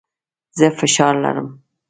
زه فشار لرم.